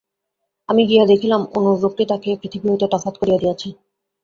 আমি গিয়া দেখিলাম, অনুর রোগটি তাকে এই পৃথিবী হইতে তফাত করিয়া দিয়াছে।